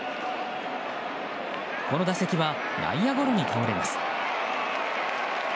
この打席は内野ゴロに倒れます。